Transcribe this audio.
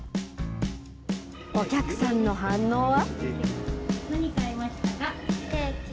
お客さんの反応は。